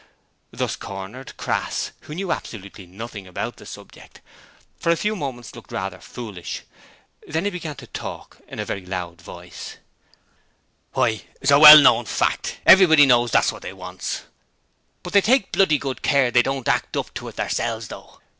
Thus cornered, Crass who knew absolutely nothing about the subject for a few moments looked rather foolish. Then he began to talk in a very loud voice: 'Why, it's a well known fact. Everybody knows that's what they wants. But they take bloody good care they don't act up to it theirselves, though.